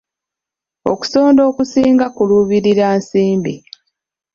Okusonda okusinga kuluubirira nsimbi.